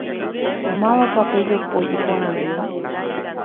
Mávapa pe jopói iporãvéva?